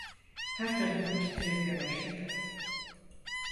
Her tarafım titremeye başladı.